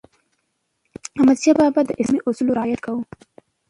احمدشاه بابا د اسلامي اصولو رعایت کاوه.